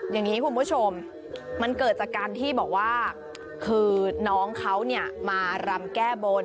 อย่างนี้คุณผู้ชมมันเกิดจากการที่บอกว่าคือน้องเขาเนี่ยมารำแก้บน